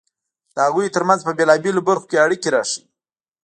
د هغوی ترمنځ په بېلابېلو برخو کې اړیکې راښيي.